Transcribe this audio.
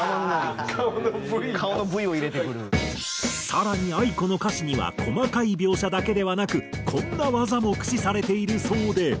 更にａｉｋｏの歌詞には細かい描写だけではなくこんな技も駆使されているそうで。